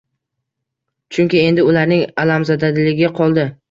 Chunki endi ularning alamzadaligi qoldi.